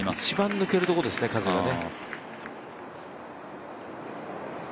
一番抜けるところですね風がね。